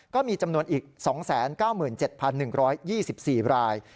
ก็มีจำนวนอีก๒๙๗๑๒๔ราย